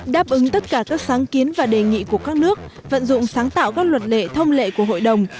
đáp ứng tất cả các sáng kiến và đề nghị của các nước vận dụng sáng tạo các luật lệ thông lệ của hội đồng